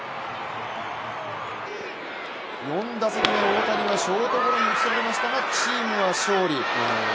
４打席目、大谷はショートゴロに打ちとられましたがチームは勝利。